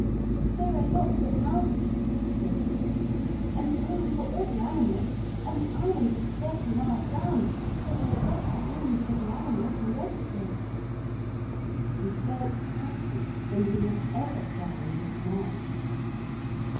'There are lots of houses,' said Philip, 'and room for all the animals, and the island is thirty miles round, so there's lots of room for the animals and everything.' He felt happier than he had ever done in his life.